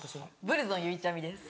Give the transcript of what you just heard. ブルゾンゆいちゃみです。